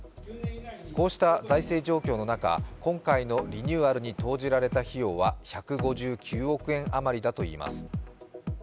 こうした財政状況の中、今回のリニューアルに投じられた費用は１５９億円余りだといいます。